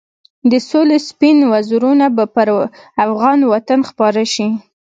د سولې سپین وزرونه به پر افغان وطن خپاره شي.